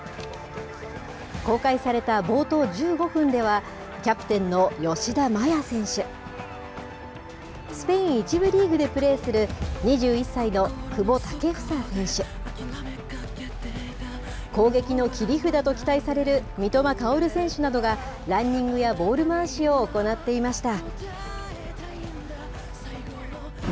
公開された冒頭１５分では、キャプテンの吉田麻也選手、スペイン１部リーグでプレーする２１歳の久保建英選手、攻撃の切り札と期待される三笘薫選手などが、ランニングやボール回しなどを行っていました。